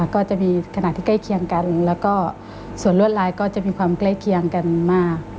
ก็จะมีขณะที่ใกล้เคียงกันแล้วก็ส่วนลวดลายก็จะมีความใกล้เคียงกันมาก